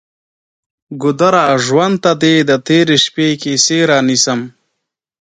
ګودره! ژوند ته دې د تیرې شپې کیسې رانیسم